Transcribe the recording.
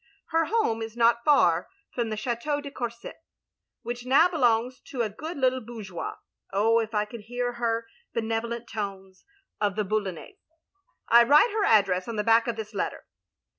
Her home is not far from the Chdteau de C our set! Which now belongs to a good little bourgeois — {Oh if I could hear her benevolent tones) — of the Boulonnais. I write her address on the back of this letter.